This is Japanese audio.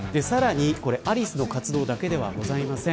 アリスの活動だけではありません。